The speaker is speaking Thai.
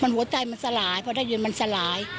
หัวใจมันสลายพอได้ยินมันสลาย